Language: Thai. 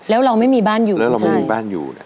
แล้วเราไม่มีบ้านอยู่